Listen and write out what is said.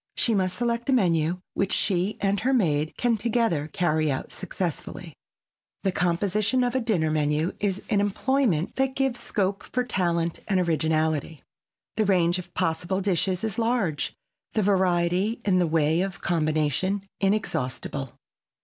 She must select a menu which she and her maid can together carry out successfully. The composition of a dinner menu is an employment that gives scope for talent and originality. The range of possible dishes is large, the variety in the way of combination inexhaustible.